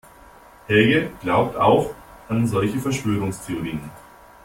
Helge glaubt auch an solche Verschwörungstheorien.